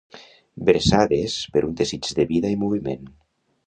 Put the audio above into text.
Bressades per un desig de vida i moviment